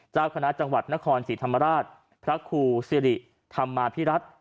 เจ้าคณะจังหวัดนครศรีธรรมราชพระครูสิริธรรมาภิรัตน์